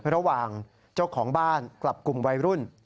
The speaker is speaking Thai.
ระหว่างเจ้าของบ้านกับกลุ่มวัยรุ่น